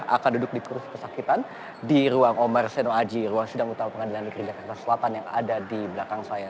akan duduk di kursi kesakitan di ruang omar seno aji ruang sidang utama pengadilan negeri jakarta selatan yang ada di belakang saya